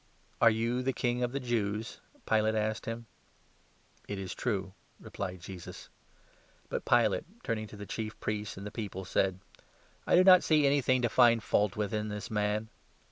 '"" Are you the King of the Jews ?" Pilate asked him. 3 " It is true," replied Jesus. But Pilate, turning to the Chief Priests and the people, said : 4 " I do not see anything to find fault with in this man."